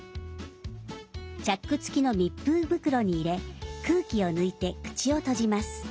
チャック付きの密封袋に入れ空気を抜いて口を閉じます。